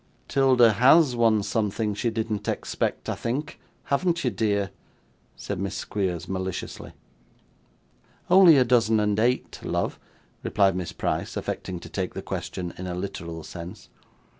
''Tilda HAS won something she didn't expect, I think, haven't you, dear?' said Miss Squeers, maliciously. 'Only a dozen and eight, love,' replied Miss Price, affecting to take the question in a literal sense.